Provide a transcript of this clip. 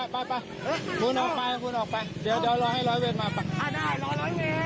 ผมขอโทษผมขอถามนั้นดีนะ